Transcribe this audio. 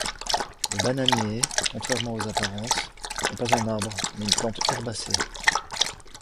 Le bananier, contrairement aux apparences, n'est pas un arbre mais une plante herbacée.